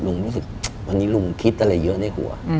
รู้สึกวันนี้ลุงคิดอะไรเยอะในหัว